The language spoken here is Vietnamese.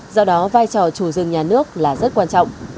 do đó vai trò chủ rừng nhà nước là rất quan trọng